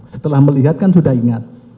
setelah melihat kan sudah ingat